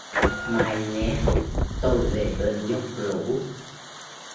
Mai nhé! Tôi về bên dốc lũ